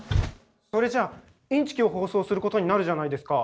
それじゃあインチキを放送することになるじゃないですか！